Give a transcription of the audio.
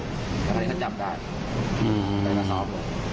แต่ว่าที่เขาจำได้ไม่ได้กระทอบ